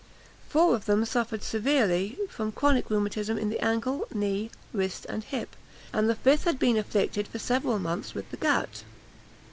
Four of them suffered severely from chronic rheumatism in the ankle, knee, wrist, and hip; and the fifth had been afflicted for several months with the gout.